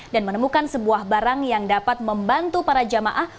dan menemukan sebuah barang yang dapat membantu para jamaah